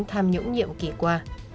tham nhũng nhiệm kỳ qua